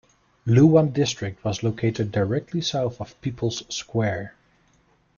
Luwan district was located directly south of People's Square.